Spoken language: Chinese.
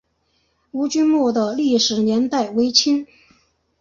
吴郡墓的历史年代为清。